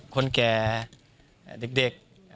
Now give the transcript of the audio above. คนแก่เด็ก